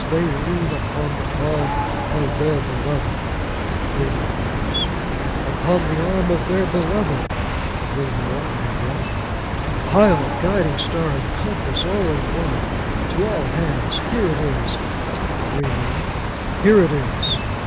—They lean upon the arm of their Beloved'—three more raps: 'upon the arm of their Beloved'—three more, and a walk: 'Pilot, guiding star, and compass, all in one, to all hands—here it is'—three more: 'Here it is.